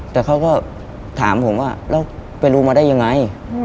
แต่เขาก็ถามผมว่าแล้วไปรู้มาได้ยังไง